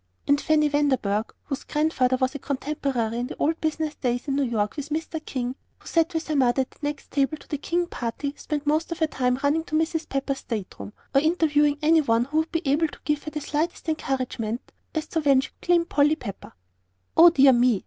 And Fanny Vanderburgh, whose grandfather was a contemporary in the old business days in New York with Mr. King, and who sat with her mother at the next table to the King party, spent most of her time running to Mrs. Pepper's state room, or interviewing any one who would be able to give her the slightest encouragement as to when she could claim Polly Pepper. "O dear me!"